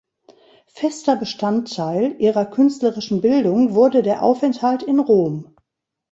Fester Bestandteil ihrer künstlerischen Bildung wurde der Aufenthalt in Rom.